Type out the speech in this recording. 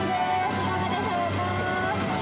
いかがでしょうか。